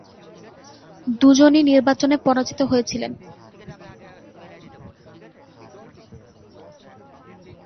দুজনই নির্বাচনে পরাজিত হয়েছিলেন।